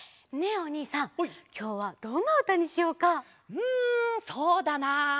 うんそうだな。